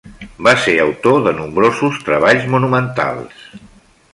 Va ser autor de nombrosos treballs monumentals.